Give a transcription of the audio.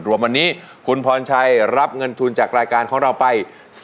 รวมวันนี้คุณพรชัยรับเงินทุนจากรายการของเราไป